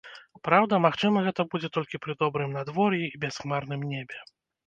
Праўда, магчыма гэта будзе толькі пры добрым надвор'і і бясхмарным небе.